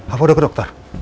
apa udah ke dokter